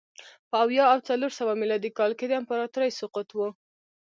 په اویا او څلور سوه میلادي کال کې د امپراتورۍ سقوط و